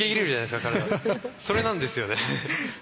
それなんですよね。